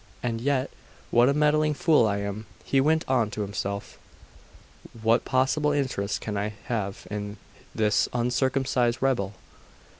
And yet, what a meddling fool I am!' he went on to himself. 'What possible interest can I have in this uncircumcised rebel!